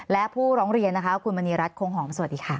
และผู้ร้องเรียนนะคะคุณมณีรัฐคงหอมสวัสดีค่ะ